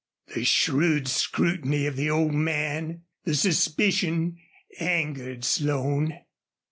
The shrewd scrutiny of the old man, the suspicion, angered Slone.